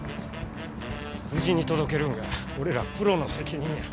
無事に届けるんが俺らプロの責任や。